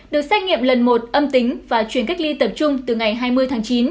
được xét nghiệm lần một âm tính và chuyển cách ly tập trung từ ngày hai mươi tháng chín